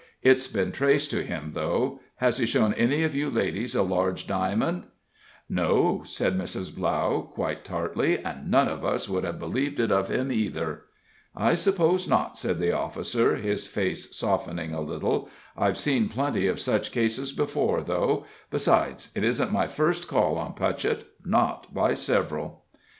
It's been traced to him, though has he shown any of you ladies a large diamond?" "No," said Mrs. Blough, quite tartly, "and none of us would have believed it of him, either." "I suppose not," said the officer, his face softening a little. "I've seen plenty of such cases before, though. Besides, it isn't my first call on Putchett not by several."